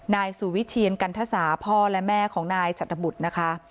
นายสุวิเชียนกันทสาพ่อและแม่ของนายจัตบุตรนะคะ